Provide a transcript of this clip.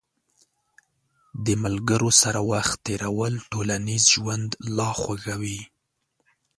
د ملګرو سره وخت تېرول ټولنیز ژوند لا خوږوي.